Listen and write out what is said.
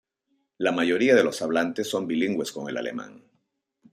La mayoría de los hablantes son bilingües con el alemán.